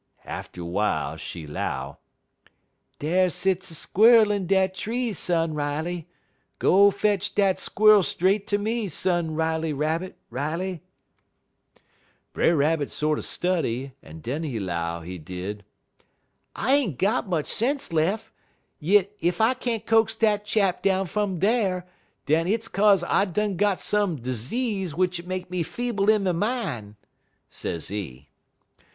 Atter w'ile she 'low: "'Dar sets a squer'l in dat tree, Son Riley; go fetch dat squer'l straight ter me, Son Riley Rabbit, Riley.' "Brer Rabbit sorter study, en den he 'low, he did: "'I ain't got much sense lef', yit ef I can't coax dat chap down from dar, den hit's 'kaze I done got some zeeze w'ich it make me fibble in de min',' sezee.